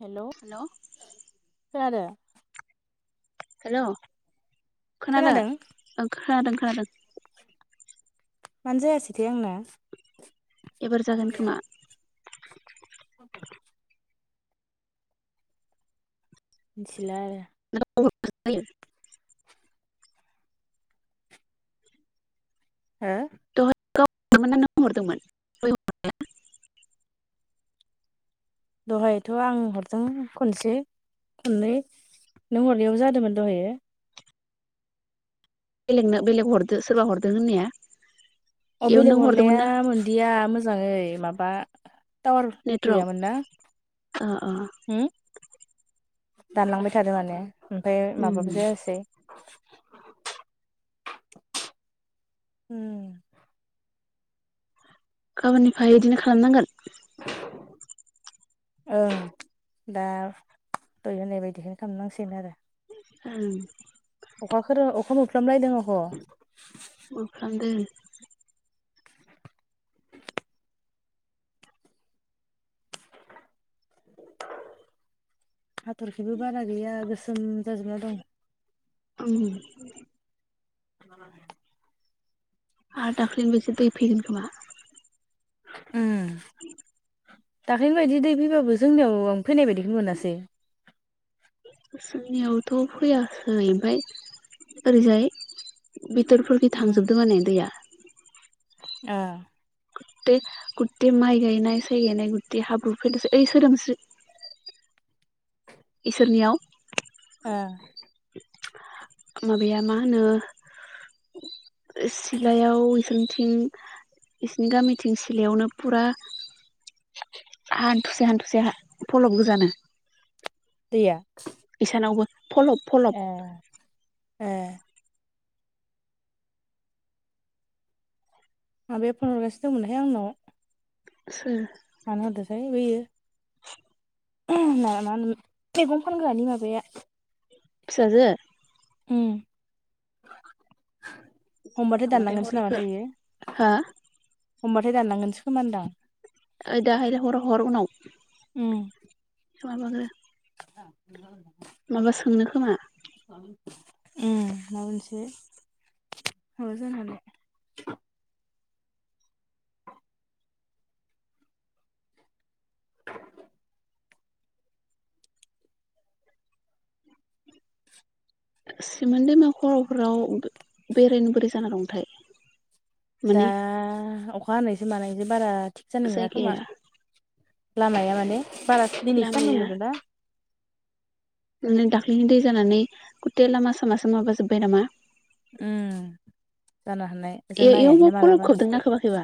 हेल' hello खोनादों hello खोनादों खोनादों खोनादों मानो जायासैथाइ आंना एबार जागोन खोमा [unintelligible] मिथिला आरो [unintelligible] हो गाव हरदोंमोन ना नों हरदोंमोन दहायथ' आं हरदों खनसे खननै नों हरनियाव जादोंमोन दहाय बेलेग ना बेलेग हरदो सोरबा हरदों होननाया अ इयाव नों बेलेग हरदोंमोन हरनाया ना मोनदिया मोजाङै माबा टावार नेटवर्क गैयामोन ना अ अ होम दानलांबाय थादों माने ओमफ्राय उम माबाबो जायासै उम गाबोननिफ्राय बिदिनो खालामनांगोन [inaudible] ओं दा दय होनाय बायदिखौनो खालामनांसिगोन आरो उम अखा खोरोम अखा मोफालामना मा खालामदो [inaudible] हाथरखिबो बारा गैया गोसोम जाजोबना दं [inaudible] उम आरो दाख्लिनि बेसे दै फैगोन खोमा दाख्लै बायदि दै फैबाबो जोंनियाव फैनाय बायदिखौ मोनासै जोंनियावथ' फैयासै ओमफ्राय ओरैजाय बिथोरफोरखि थांजोबदों नै दैया आ गे गुथे माइ गायनाय साय गायनाय गुथै हाब्रु फैलसै ओइ सोदोमसै इसोरनियाव हो माबाया मा होनो सिलायाव इसोनिथिं बिसिनि गामिथिं सिलायावनो फुरा हान्थुसे हान्थुसे फलब गोजानो दैया इसानावबो फलब फलब ए ए आं बे फन्द हरगासो दंमोनहाय आंनाव सोर है बेयो मा होन मैगं फानग्रानि माबाया फिसाजो उ हमबाथाय जाखांबाथाय दानलांगोनसो नामाथाय बेयो होनदां ओ दाहायलाय हर हर उनाव उम माबागो आ माबा सोंनो खोमा उ माबनोसै हा जालाय सिमोन दैमा खर'फोराव बेरायनो बोरै जाना दंथाय दा माने अखा हानायसो मानायसो बारा थिग जानाय नङा खोमा जायगाया लामाया माने बारा दिनैसो सानदों दोंदो ना मे दाख्लै नि दै जानानै गुथे लामा सामा सो माबाजोब्बाय नामा उम। जानो हानाय जों ए-एयावबो नायहैयाखैना फलब मालाबा। खोबदोंना खोबाखैबा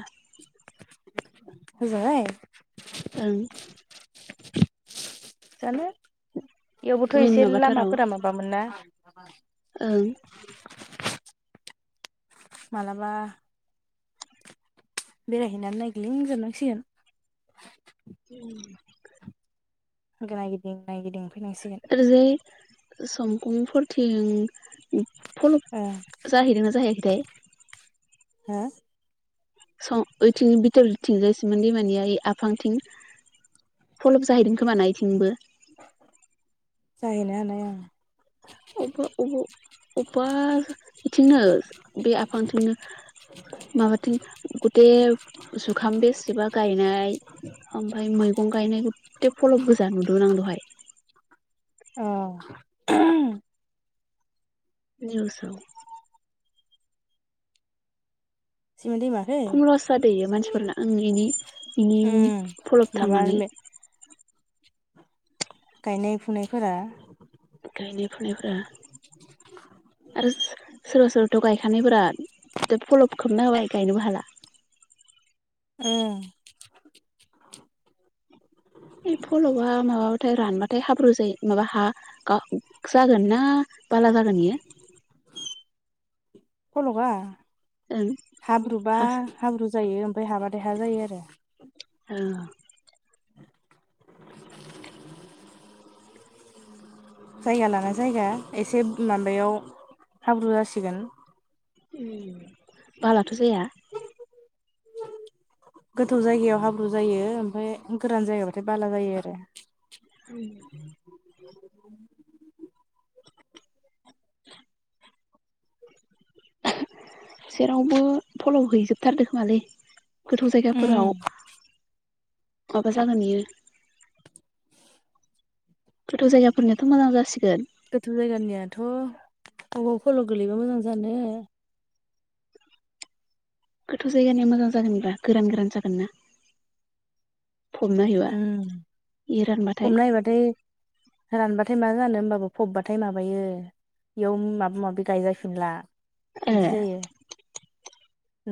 ह'जायाव। ओं। जानो। इयावबोथ' मेन एसे माबाथाराव लामाफोरा माबामोन ना। ओं मालाबा। बेरायहैनानै नायग्लिं जोबनांसिगोन। उम। नाय गिदिं नायगिदिं फैनांसिगोन। संकुं फोरथिं। ओ फल'ब जाहैदोंना जाहैयाखैथाय। हा। सं ओइथिं बितोर थिंजाय सिमेन दैमानियाइ आफांथिं। फलप जाहैदों खोमाना इथिंबो। जाहैनोहानाय ओं। अबे अबेबा इथिंनो बे आफांथिंनो। माबाथिं गथे जुखाम बेसेबा गायनाय। ओमफाय मैगं गायनायखो थे फलब गोजा नुदोंमोन आं दहाय। औ निउसाव। सिमोन दैमाखै खम लस जादो इयो मानसिफोरना ओं इनि इनि उम फलब माबा थांनानै। गायनाय फुनायफोरा। गायनाय फुनायफोरा आरो सो सोरबा सोरबा। थ' गायखानायफोरा फल'ब खोबना होबाय गायनोबो हाला। उम बे फलवा माबाबाथाय रानबाथाय हाब्रु जायो माबा हा गा जागोन ना? बाला जागोन इयो। फलगा। ओं हाब्रुबा हा हाब्रु जायो ओमफाय हाबाथाय हा जायो आरो। औ। [inaudible] जायगा लाना जायगा एसे माबायाव हाब्रु जासिगोन। ओम बालाथ' जाया। [inaudible] गोथौ जायगायाव हाब्रु जायो ओमफाय गोरान जायगाबाथाय बाला जायो आरो। [inaudible] [inaudible] जेरावबो फल' हैजोबथारदो खोमालै। गोथौ उम जायगाफोराव माबा जागोन इयो। गोथौ' जायगाफोरनियाथ' मोजां जासिगोन। गोथौ जायगानियाथ' अबाव फल' गोलैबा मोजां जानो। गोथौ जायगानिया मोजां जागोनब्रा गोरान गोरान जागोन ना फबना हैबा ओम इ रानबाथाय हमना हैबाथाय रानबाथाय मा जानो। होनबाबो फबबाथाय माबायो इयाव माबा माबि गायजाफिनला। ए बिदि जायो।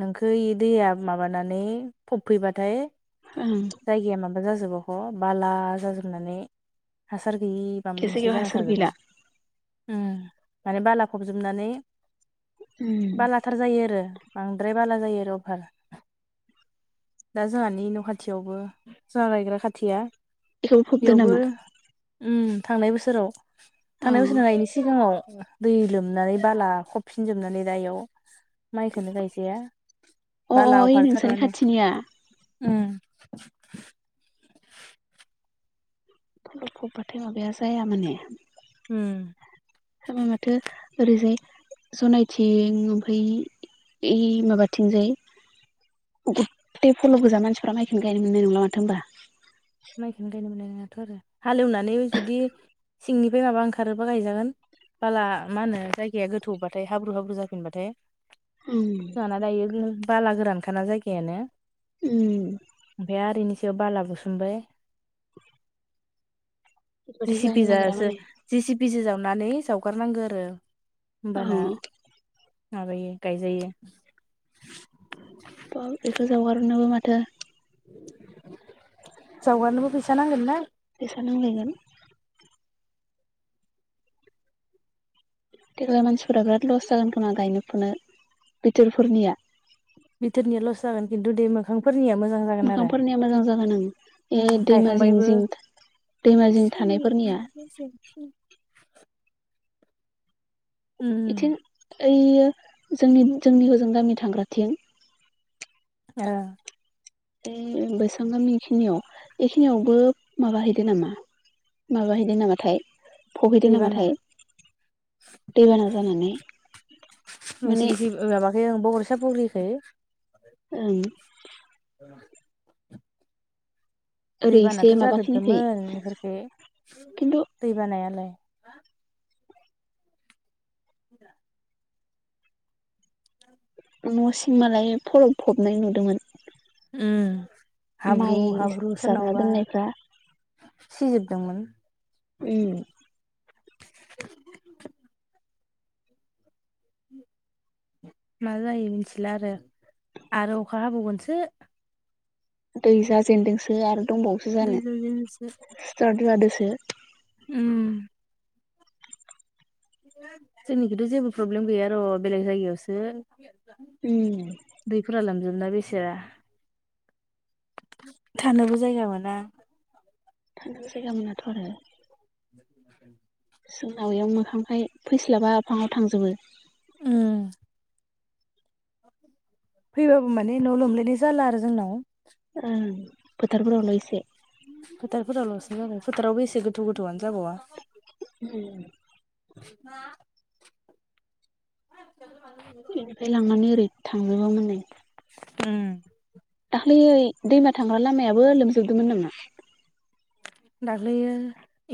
नोंखो इ दैया माबानानै फबफैबाथाय। ओं। जायगाया माबा जाजोबो ह' बाला जाजोबनानै हास हासार गैयि बा बे मोनसे जायगायाव जाना हासार थाजोबो गैला ओम माने बालाफबजोबनानै उम बालाथार जायो आरो बांद्राय बाला जायो आरो अफार दा जोंहानि न' खाथियावबो जालायग्रा खाथिया बेखौबो फबदो बेयावबो नामा उम थांनाय बोसोराव अ थांनाय बोसोर नोङा इनि सिगाङाव दै लोमनानै बाला खबफिनजोबनानै दा एयाव माइखोनो गायजाया अ बाला ओइ अफारथार नोंसानि माने खाथिनिया उम [inaudible] लखबबाथाय माबाया जाया माने उम समा माथो ओरैजाय जनायथिं ओमफ्राय ओइ माबाथिंजाय गुथे फल' गोजा मानसिफ्रा माइखौनो गायनो मोननाय नंला माथो होनबा माइखोनो गायनो मोननाय नोङा थ' आरो हालेवनानै जुदि सिंनिफ्राय माबा ओंखारोबा गायजागोन बाला मा होनो जायगाया गोथौबाथाय हाब्रु हाब्रु जाफिनबाथाय जाहाना दायो बाला गोरानखाना जायगायानो उम ओमफ्राय आरो बेनि सायाव बाला बुसुमबाय [inaudible] बेबायदि जिसिपि जानो जा नागिरा जो माने जसिपिजो जावनानै जावगारनांगो आरो होमबाना औ माबायो गायजायो ब बेखौ जावगारनोबो माथो जावगारनोबो फैसा नांगोन ना सा नांलायगोन देग्लाय मानसिफोरा बिराद लस जागोन खोमा गायनो फुनो बिथोरफोरनिया बिथोरनिया लस जागोन खिन्थु दै मोखांफोर मोखांफोरनिया मोजां जागोन ओं ए उम दैमा जिं गायखांबायबो जिं दैमा जिं थानायफोरनिया उम उम इथिं ओइयो जोंनि जोंनि हजों गामि थांग्राथिं ओं ओइ बैसां गामि खिनियाव बेखिनियावबो माबाहैदो नामा माबाहैदों नामाथाय फबहैदों दैबाना नामाथाय दैबाना जानानै माने नोंसोरनिखै ओ माबाखै ओं बगर सापरिखै ओं औ ओरै एसे दैबानाथ' माबाखिनिखै जाजोबदोंमोन इफोरखै खिन्थु दै बानायालाय हा [unintelligible] न'सिम मालाय फलब फबनाय नुदोंमोन हाब्रु माइ हाब्रु सारना सोरनावबा दोननायफ्रा सिजोबदोंमोन उम मा जायो मिथिला आरो आरो अखा हाबावगोनसो दै जाजेनदोंसो आरो दंबावोसो जानो दैज्लांजोंसो स्टार्ट जादोसो उम जोंनिखैथ' जेबो प्रब्लेम गैया र' बेलेग जायगायावसो उम ना बैसोआ थानोबो जायगा मोना थानोबा जायगा मोनाथ' आरो [inaudible] जोंनाव याव मोखांखाय फैस्लाबा आफाङाव थांजोबो उम फैबाबो माने न' लोमलायनाय जाला आरो जोंनाव फोथारफोरावनो इसे फोथारफोरावल'सो जाबाय फोथारावबो एसे गोथौ गोथौआनो जाबावा उम मा बेनिफ्राय लांनानै ओरै थांङोमोन माने उम दाखलैयै दैमा थांग्रा लामायाबो लोमजोबदोंमोन नामा? दाख्लैयो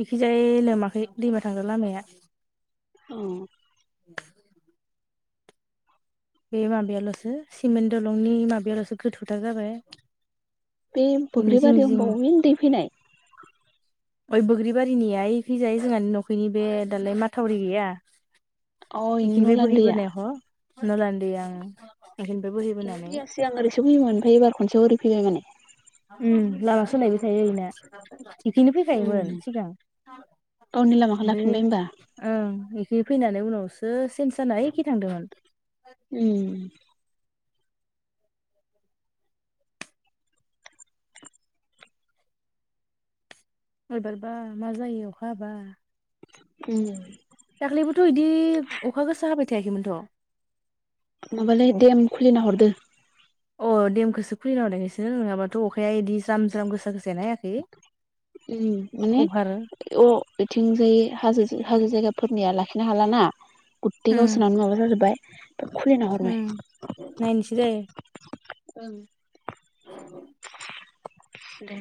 इखिजाय लोमाखै दैमा थांग्रा लामाया औ [inaudible] बे माबायल'सो सिमेन्ट दलंनि माबायल'सो गोथौथार जाबाय बे इनि जिं बग्रिबारियाव जिं बबेनि दै फैनाय ओइ बग्रिबारिनिया ओइखिजाय जोंहानि न'खैनि बे दालाय माथावरि गैया अ इनि बेखिनिफ्राय नलानि दैया बोहैबोनाय ह नना [unintelligible] सिगां सिगां ओरैसो फैयोन ओमफाय एबार खनसेआव ओरैसो फैबाय माने उम लामा सोलायबाय थायो आरोना इखैनो फैखायोमोन उम सिगां गावनि लामाखौ बे लाफिनबाय होमबा ओं एसे फैनानै उनाव सो चेनस जाना ओइखि थांदोंमोन उम एबारबा मा जायो अखा हाबा उम दाख्लैबोथ' बिदि अखा गोसा हाबाय थायाखैमोनथ' माबालै देम खुलिना हरदो अ देमखौसो खुलिना हरनायखायसो नङाबाथ' अखाया बिदि ज्राम ज्राम गोसा गोसायानो हायाखै उ माने अभार अ बिथिंजाय हाजो हाजो जायगाफोरनिया लाखिनो हाला ना गथाय गावसोनानो माबा जाजोबबाय खुलिना हरबाय उम नायनोसै दे [inaudible] दे